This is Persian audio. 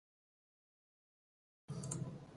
مخارج